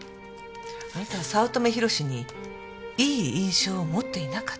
あなたは早乙女宏志にいい印象を持っていなかった。